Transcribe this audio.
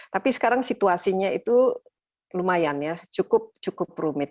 tapi sekarang situasinya itu lumayan ya cukup rumit